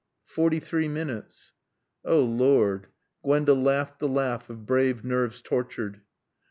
"Forty three minutes." "Oh, Lord " Gwenda laughed the laugh of brave nerves tortured.